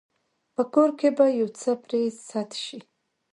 په کور کې به يو څه پرې سد شي.